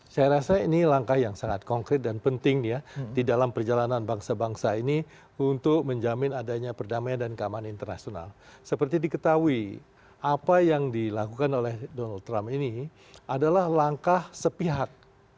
saya rasa ini adalah langkah yang penting dalam perjalanan kita terminal dildakat perdamaian dan keamanan international dengan international